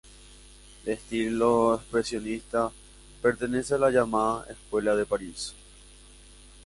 De estilo expresionista, pertenece a la llamada Escuela de París.